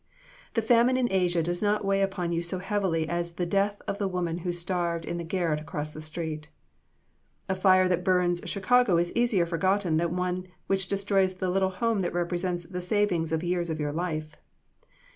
The famine in Asia does not weigh upon you so heavily as the death of the woman who starved in the garret across the street. A fire that burns Chicago is easier forgotten that the one which destroys the little home that represents the savings of years of your life.